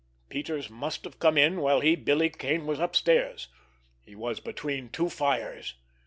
_ Peters must have come in while he, Billy Kane, was upstairs. He was between two fires.